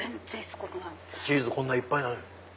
チーズこんないっぱいなのに。